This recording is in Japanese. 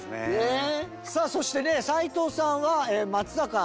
さあそしてね斎藤さんは松坂投手。